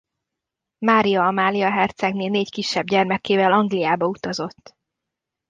Mária Amália hercegné négy kisebb gyermekével Angliába utazott.